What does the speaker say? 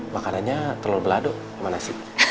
makanannya telur belado sama nasi